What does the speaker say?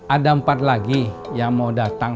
ada empat lagi yang mau datang